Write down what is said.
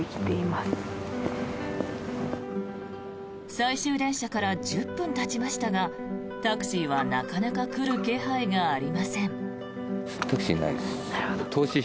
最終電車から１０分たちましたがタクシーはなかなか来る気配がありません。